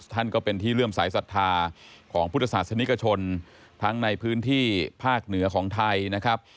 ท่านก็เป็นที่เลื่อมสายศรัทธาของพุทธศาสนิกชนทั้งในพื้นที่ภาคเหนือของไทยนะครับ